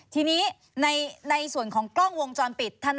ทีนี้ในส่วนของกล้องวงจรปิด